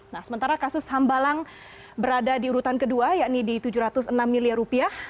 nah sementara kasus hambalang berada di urutan kedua yakni di tujuh ratus enam miliar rupiah